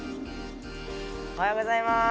おはようございます。